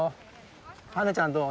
なべちゃんどう？